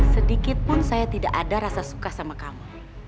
sedikitpun saya tidak ada rasa suka sama kamu